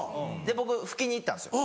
僕拭きに行ったんですよ